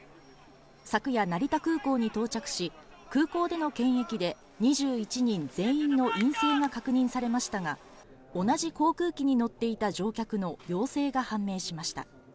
昨夜、成田空港に到着し、空港での検疫で、２１人全員の陰性が確認されましたが、同じ航空機に乗っていた乗客の陽性が判明しました。